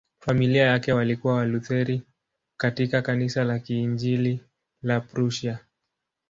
Familia yake walikuwa Walutheri katika Kanisa la Kiinjili la Prussia.